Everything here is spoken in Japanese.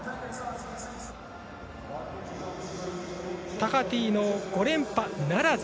タハティの５連覇ならず。